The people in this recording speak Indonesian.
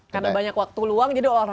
karena banyak waktu luang jadi olahraga